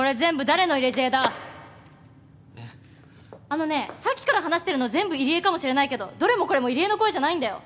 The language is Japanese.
あのねさっきから話してるのは全部入江かもしれないけどどれもこれも入江の声じゃないんだよ。